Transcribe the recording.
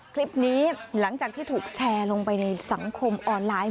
คลิปนี้หลังจากที่ถูกแชร์ลงไปในสังคมออนไลน์